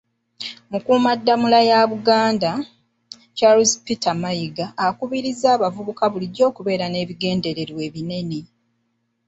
Mukuumaddamula wa Buganda, Charles Peter Mayiga, akubirizza abavubuka bulijjo okubeera n'ebigendererwa ebinene.